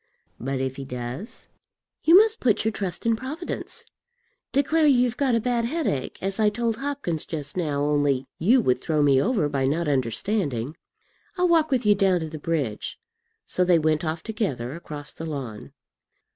"But if he does?" "You must put your trust in Providence. Declare you've got a bad headache, as I told Hopkins just now; only you would throw me over by not understanding. I'll walk with you down to the bridge." So they went off together across the lawn.